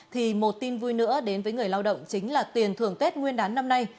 thì một tin vui nữa đến với người lao động chính là tiền thưởng tết nguyên đán năm nay